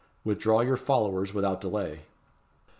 Withdraw your followers without delay."